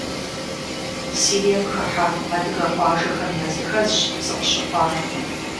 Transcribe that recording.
Сирием хыхьэ адыгэ къуажэхэм языхэзщ сыкъыщыхъуар.